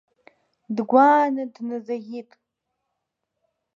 Дгәааны дназаӷьит.